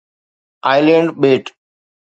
Aland ٻيٽ